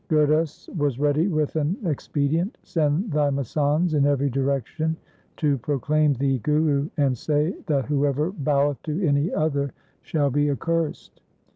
' Gurdas was ready with an expedient, ' Send thy masands in every direction to proclaim thee Guru, and say that whoever boweth to any other shall be accursed.